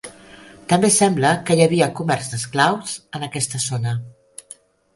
També sembla que hi havia comerç d'esclaus en aquesta zona.